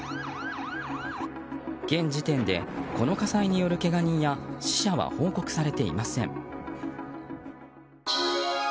現時点で、この火災によるけが人や死者は報告されていません。